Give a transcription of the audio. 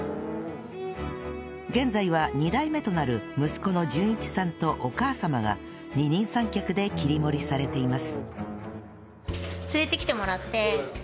現在は２代目となる息子の淳一さんとお母様が二人三脚で切り盛りされています